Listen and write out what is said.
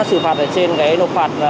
xử phạt ở trên cái nộp phạt